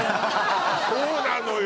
そうなのよ